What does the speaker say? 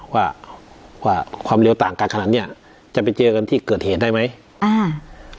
ว่าว่าความเร็วต่างกันขนาดเนี้ยจะไปเจอกันที่เกิดเหตุได้ไหมอ่า